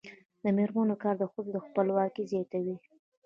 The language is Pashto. د میرمنو کار د ښځو خپلواکي زیاتوي.